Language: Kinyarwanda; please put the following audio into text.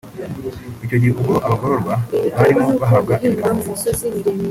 Icyo gihe ubwo abagororwa barimo bahabwa ibiganiro